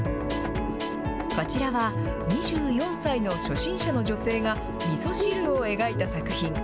こちらは、２４歳の初心者の女性がみそ汁を描いた作品。